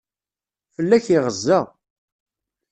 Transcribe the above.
Fell-ak iɣeza.